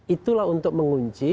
itulah untuk mengunci